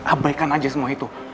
abaikan aja semua itu